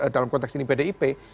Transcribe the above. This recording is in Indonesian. dalam konteks ini pdip